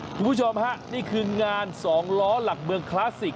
คุณผู้ชมฮะนี่คืองาน๒ล้อหลักเมืองคลาสสิก